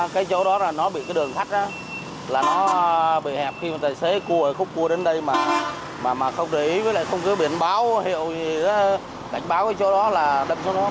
cái chỗ đó là nó bị cái đường thắt đó là nó bị hẹp khi mà tài xế cua khúc cua đến đây mà không để ý với lại không cứ biện báo hiệu gì đó đảch báo cái chỗ đó là đâm xuống đó